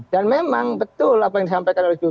dan memang betul apa yang disampaikan oleh jokowi